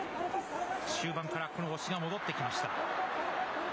終盤からこの押しが戻ってきました。